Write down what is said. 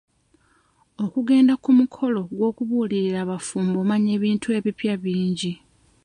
Okugenda ku mukolo gw'okubiiririra abafumbo omanya ebintu ebipya bingi.